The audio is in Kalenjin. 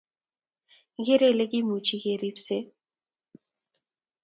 ikeree ile kimuchi kirepsee